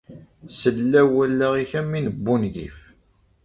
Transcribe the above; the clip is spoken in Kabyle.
Sellaw wallaɣ-ik am win n wungif.